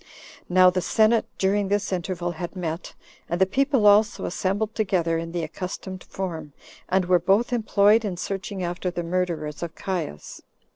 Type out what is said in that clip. Now the senate, during this interval, had met, and the people also assembled together in the accustomed form, and were both employed in searching after the murderers of Caius.